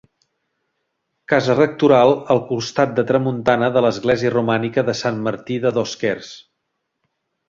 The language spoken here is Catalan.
Casa rectoral al costat de tramuntana de l'església romànica de Sant Martí de Dosquers.